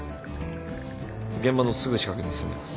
現場のすぐ近くに住んでます。